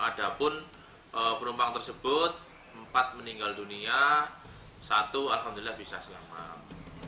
ada pun penumpang tersebut empat meninggal dunia satu alhamdulillah bisa selamat